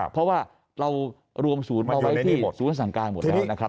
เพราะว่าเรารวมศูนย์มาไว้ที่ศูนย์สั่งการหมดแล้วนะครับ